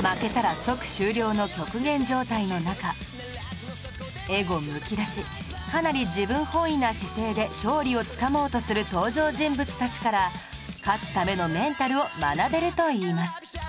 負けたら即終了の極限状態の中エゴむき出しかなり自分本位な姿勢で勝利をつかもうとする登場人物たちから勝つためのメンタルを学べるといいます